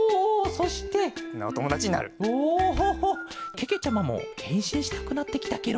けけちゃまもへんしんしたくなってきたケロ。